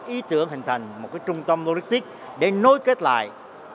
ý tưởng hình thành một trung tâm logistics để nối kết lại